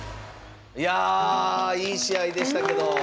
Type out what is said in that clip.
いやいい試合でしたけど。